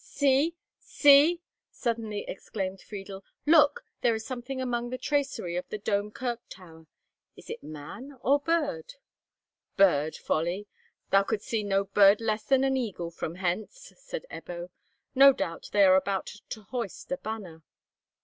"See! see!" suddenly exclaimed Friedel; "look! there is something among the tracery of the Dome Kirk Tower. Is it man or bird?" "Bird, folly! Thou couldst see no bird less than an eagle from hence," said Ebbo. "No doubt they are about to hoist a banner."